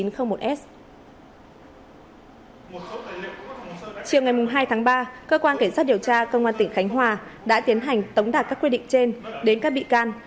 chiều ngày hai tháng ba cơ quan cảnh sát điều tra công an tỉnh khánh hòa đã tiến hành tống đạt các quyết định trên đến các bị can